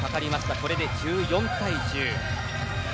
これで１４対１０。